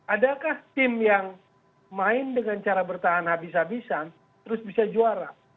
adakah tim yang main dengan cara bertahan habis habisan terus bisa juara